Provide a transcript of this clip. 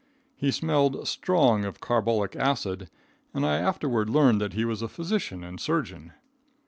He smelled strong of carbolic acid, and I afterward learned that he was a physician and surgeon.